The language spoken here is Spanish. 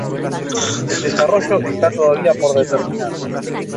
El desarrollo está todavía por determinar.